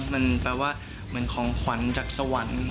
มันแปลว่าเหมือนของขวัญจากสวรรค์